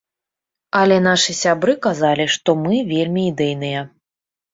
Але нашы сябры казалі, што мы вельмі ідэйныя.